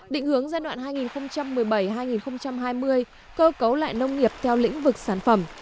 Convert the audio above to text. định hướng giai đoạn hai nghìn một mươi bảy hai nghìn hai mươi cơ cấu lại nông nghiệp theo lĩnh vực sản phẩm